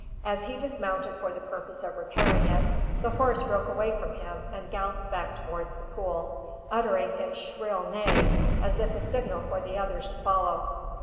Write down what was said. As he dismounted for the purpose of repairing it, the horse broke away from him and galloped back towards the pool, uttering its shrill neigh, as if a signal for the others to follow.